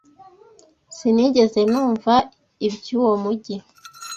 Sinigeze numva iby'uwo mujyi.